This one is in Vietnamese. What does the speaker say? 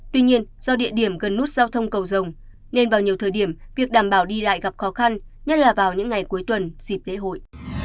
tuy nhiên do địa điểm gần nút giao thông cầu rồng nên vào nhiều thời điểm việc đảm bảo đi lại gặp khó khăn nhất là vào những ngày cuối tuần dịp lễ hội